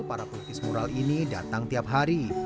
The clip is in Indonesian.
para pelukis mural ini datang tiap hari